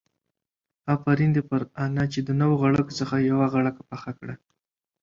آفرين دي پر انا چې د نو غړکو څخه يې يوه غړکه پخه کړه.